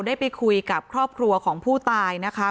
ได้ไปคุยกับครอบครัวของผู้ตายนะคะ